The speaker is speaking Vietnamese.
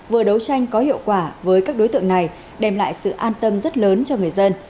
vừa đấu tranh có hiệu quả với các đối tượng này đem lại sự an tâm rất lớn cho người dân